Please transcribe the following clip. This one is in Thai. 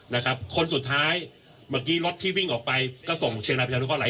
นะครับคนสุดท้ายเมื่อกี้รถที่วิ่งออกไปก็ส่งเชียงรายประชานุเคร